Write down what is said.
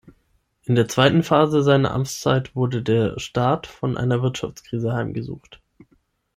In der zweiten Phase seiner Amtszeit wurde der Staat von einer Wirtschaftskrise heimgesucht.